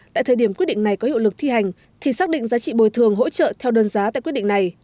tại thời điểm quyết định này có hiệu lực thi hành thì xác định giá trị bồi thường hỗ trợ theo đơn giá tại quyết định này